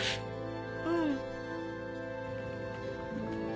うん。